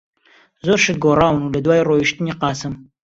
زۆر شت گۆڕاون لەدوای ڕۆیشتنی قاسم.